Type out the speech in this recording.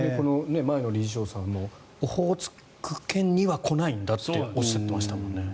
前の理事長さんもオホーツク圏には来ないんだっておっしゃっていました。